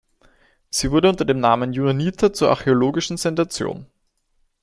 Sie wurde unter dem Namen Juanita zur archäologischen Sensation.